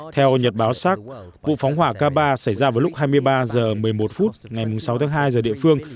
theo nhật báo xác vụ phóng hỏa k ba xảy ra vào lúc hai mươi ba h một mươi một phút ngày sáu tháng hai giờ địa phương